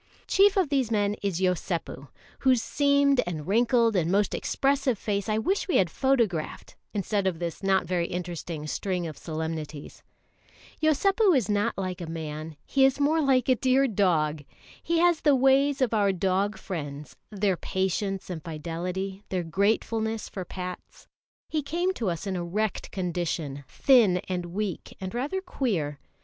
Chief of these men is Yosépu, whose seamed and wrinkled and most expressive face I wish we had photographed, instead of this not very interesting string of solemnities. Yosépu is not like a man, he is more like a dear dog. He has the ways of our dog friends, their patience and fidelity, their gratefulness for pats. He came to us in a wrecked condition, thin and weak and rather queer.